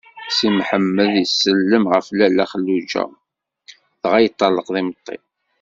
Si Mḥemmed isellem ɣef Lalla Xelluǧa dɣa yeṭṭerḍeq d imeṭṭi.